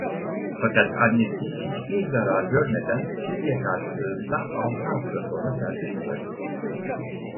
Fakat annesi hiçbir zarar görmeden fidye karşılığında altı hafta sonra serbest bırakıldı.